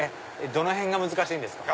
どのへんが難しいんですか？